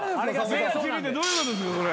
目が散るってどういうことですかそれ。